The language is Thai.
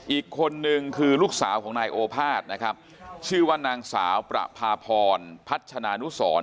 อีกคนนึงคือลูกสาวของนายโอภาษนะครับชื่อว่านางสาวประพาพรพัชนานุสร